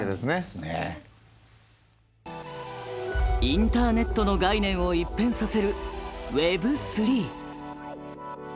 インターネットの概念を一変させる「Ｗｅｂ３」。